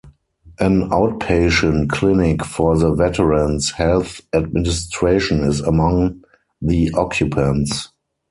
An outpatient clinic for the Veterans Health Administration is among the occupants.